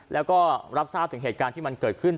แล้วก็รับทราบถึงเหตุการณ์ที่มันเกิดขึ้น